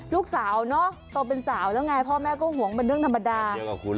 ลูกสาวเนอะโตเป็นสาวแล้วไงพ่อแม่ก็ห่วงเป็นเรื่องธรรมดา